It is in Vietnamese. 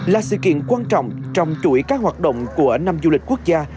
là sự kiện quan trọng trong chuỗi các hoạt động của năm du lịch quốc gia